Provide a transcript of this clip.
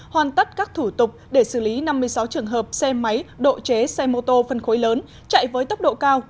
hoàn tất các thủ tục để xử lý năm mươi sáu trường hợp xe máy độ chế xe mô tô phân khối lớn chạy với tốc độ cao